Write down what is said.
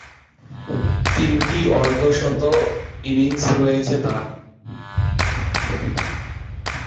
তিনটি অর্ধ-শতকের ইনিংস রয়েছে তার।